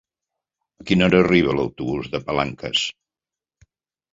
A quina hora arriba l'autobús de Palanques?